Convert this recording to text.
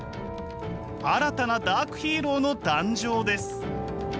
新たなダークヒーローの誕生です。